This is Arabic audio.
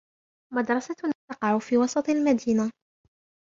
مدرستنا تقع في وسط المدينة.